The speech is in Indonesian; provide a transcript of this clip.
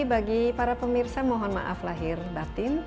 bagi para pemirsa mohon maaf lahir batin